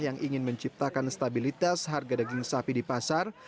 yang ingin menciptakan stabilitas harga daging sapi di pasar